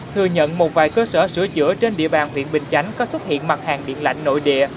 thừa nhận một vài cơ sở sửa chữa trên địa bàn huyện bình chánh có xuất hiện mặt hàng điện lạnh nội địa